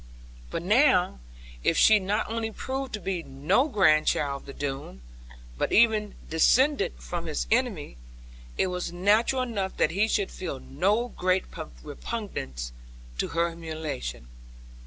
But now, if she not only proved to be no grandchild of the Doone, but even descended from his enemy, it was natural enough that he should feel no great repugnance to her humiliation.